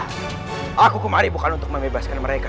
aku kemari bukan untuk membebaskan mereka